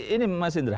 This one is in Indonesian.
ini mas indra